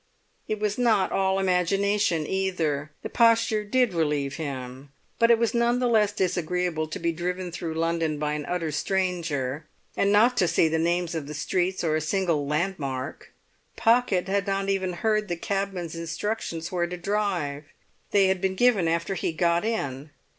It was not all imagination either; the posture did relieve him; but it was none the less disagreeable to be driven through London by an utter stranger, and not to see the names of the streets or a single landmark. Pocket had not even heard the cabman's instructions where to drive; they had been given after he got in.